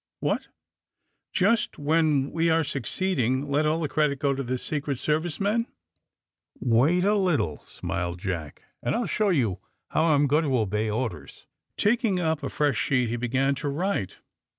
^' What I Just when we are succeeding ! Let all the credit go to the Secret Service menf ^'Wait a little," smiled Jack, ^^and I'll show you how I'm going to obey orders." Taking up a fresh sheet he began to write.